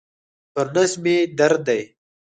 پر نس مي درد دی.